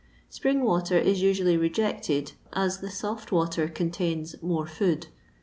Spring water is usually rejected, as the soft water contains " more feed."